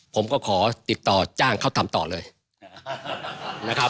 ผมก็ขอติดต่อจ้างเขาทำต่อเลยนะครับ